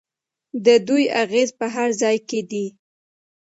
د دوی اغیز په هر ځای کې دی.